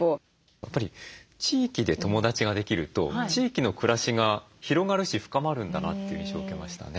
やっぱり地域で友だちができると地域の暮らしが広がるし深まるんだなという印象を受けましたね。